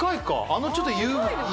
あのちょっと手で。